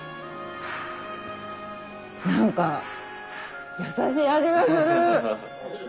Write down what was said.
何かやさしい味がする。